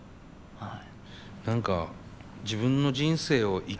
はい。